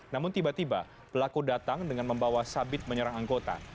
namun tiba tiba pelaku datang dengan membawa sabit menyerang anggota